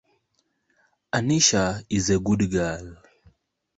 Anisha is a good girl.